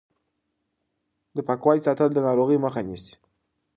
د پاکوالي ساتل د ناروغۍ مخه نیسي.